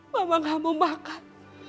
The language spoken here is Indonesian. mama gak mau makan